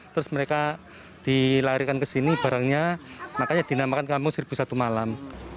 terus mereka dilarikan ke sini barangnya makanya dinamakan kampung seribu satu malam